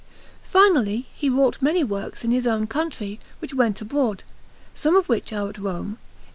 Finally, he wrought many works in his own country, which went abroad; some of which are at Rome, in S.